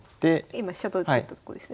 今飛車で取ったとこですね。